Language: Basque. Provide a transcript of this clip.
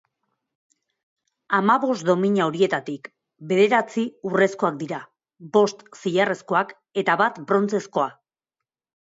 Hamabost domina horietatik, bederatzi urrezkoak dira, bost zilarrezkoak eta bat brontzezkoa.